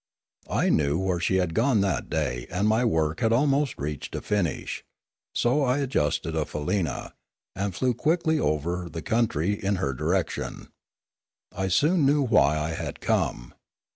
I knew where she had gone that day and my work had almost reached a finish, so I adjusted a faleena, and flew quickly over the country in her direction. I soon knew why I had come.